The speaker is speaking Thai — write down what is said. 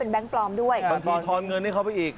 บางทีทอนเงินให้เขาไปอีก